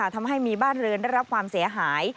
ทำให้มีบ้านเรือนได้รับความเสียหาย